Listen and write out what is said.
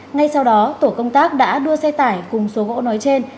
ngay sau đó tổ công tác đã đua xe tải cùng số gỗ nói trên